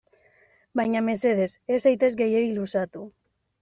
Baina mesedez, ez zaitez gehiegi luzatu.